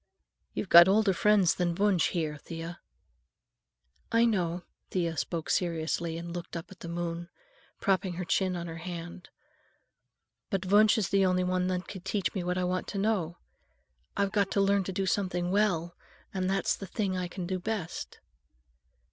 "You've got older friends than Wunsch here, Thea." "I know." Thea spoke seriously and looked up at the moon, propping her chin on her hand. "But Wunsch is the only one that can teach me what I want to know. I've got to learn to do something well, and that's the thing I can do best."